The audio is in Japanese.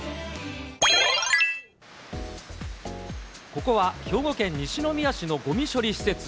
ここは兵庫県西宮市のごみ処理施設。